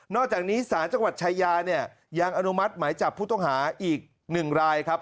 อกจากนี้ศาลจังหวัดชายาเนี่ยยังอนุมัติหมายจับผู้ต้องหาอีก๑รายครับ